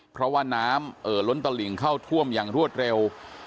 เพราะว่าน้ำเอ่อล้นตลิงเข้าท่วมอย่างรวดเร็ว